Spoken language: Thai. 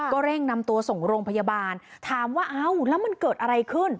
ก็เร่งนำตัวส่งโรงพยาบาลถามว่าเอ้าแล้วมันเกิดอะไรขึ้น